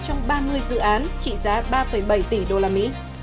trong ba mươi dự án trị giá ba bảy tỷ usd